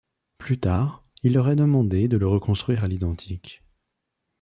Plus tard, il leur est demandé de le reconstruire à l'identique.